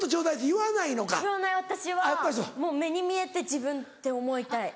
言わない私は目に見えて自分って思いたい。